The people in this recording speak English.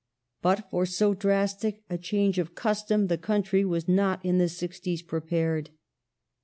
But for so drastic a change of custom the country was not in the 'sixties prepared.